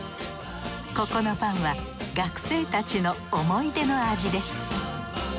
ここのパンは学生たちの思い出の味です。